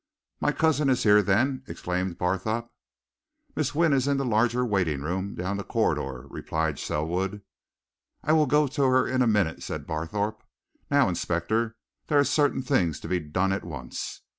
"My cousin is here, then?" exclaimed Barthorpe. "Miss Wynne is in the larger waiting room down the corridor," replied Selwood. "I will go to her in a minute," said Barthorpe. "Now, inspector, there are certain things to be done at once.